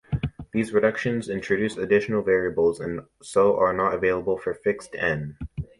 These reductions introduce additional variables and so are not available for fixed "N".